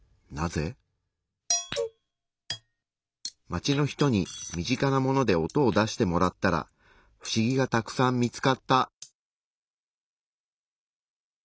街の人に身近なもので音を出してもらったらふしぎがたくさん見つかった。